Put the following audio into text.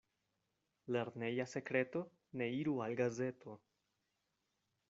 Lerneja sekreto ne iru al gazeto.